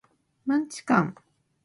マンチカン